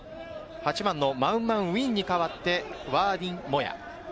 ８番のマウン・マウン・ウィンに代わって、ラー・ディン・モ・ヤ。